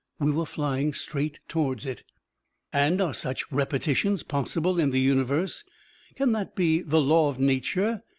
We were flying straight towards it. "And are such repetitions possible in the universe? Can that be the law of Nature?...